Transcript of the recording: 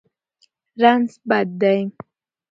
رنځ بد دی.